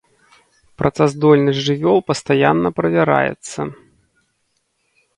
Працаздольнасць жывёл пастаянна правяраецца.